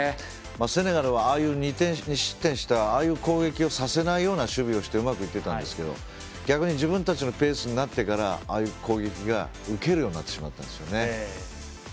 セネガルは、２失点したああいう攻撃をさせない守備をしてうまくいってたんですけど逆に自分たちのペースになってからああいう攻撃が受けるようになってしまったんですよね。